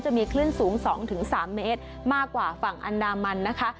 จะมีคลื่นสูง๒๓เมตรมากกว่าฝั่งอันดามันนะคะ